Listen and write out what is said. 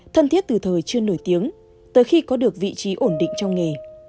thân thiết từ thời chưa nổi tiếng tới khi có được vị trí ổn định trong nghề